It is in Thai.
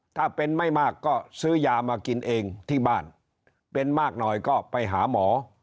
ถ้าเป็นไม่มากก็ซื้อยามากินเองที่บ้านเป็นมากหน่อยก็ไปหาหมอ